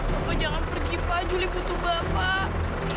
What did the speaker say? bapak jangan pergi pak juli putu bapak